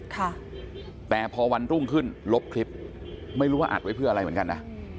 ค่ะแต่พอวันรุ่งขึ้นลบคลิปไม่รู้ว่าอัดไว้เพื่ออะไรเหมือนกันนะ